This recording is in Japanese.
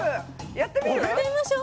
やってみましょう！